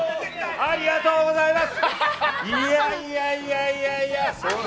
ありがとうございます！